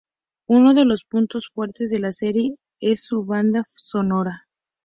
Uno de los puntos fuertes de la serie es su banda sonora.